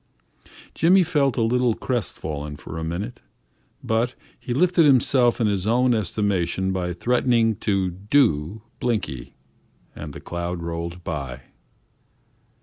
Jimmy felt a little crest fallen for a minute, but he lifted himself in his own estimation by threatening to "do" Blinky and the cloud rolled by.